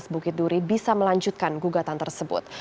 bukit duri bisa melanjutkan gugatan tersebut